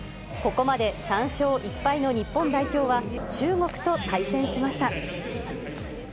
ここまで３勝１敗の日本代表は、中国と対戦しました。